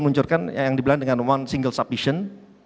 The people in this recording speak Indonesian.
meluncurkan yang dibilang dengan one single submission